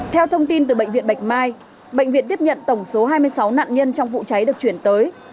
theo thông tin từ bệnh viện bạch mai bệnh viện tiếp nhận tổng số hai mươi sáu nạn nhân trong vụ cháy được chuyển tới